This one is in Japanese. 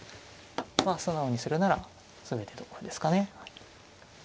素直にするなら同歩ですかね。